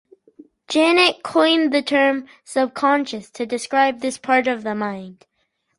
Janet coined the term 'subconscious' to describe this part of the mind.